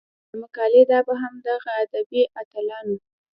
د مقالې دا باب هم دغه ادبي اتلانو